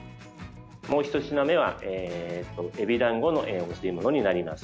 もうひと品目は、エビだんごのお吸い物になります。